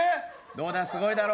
どうだすごいだろ？